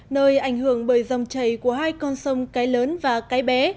nơi ảnh hưởng bởi dòng chảy của hai con sông cái lớn và cái bé